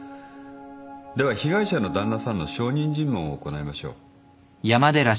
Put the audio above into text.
では被害者の旦那さんの証人尋問を行いましょう。